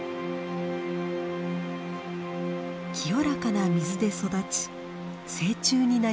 清らかな水で育ち成虫になりました。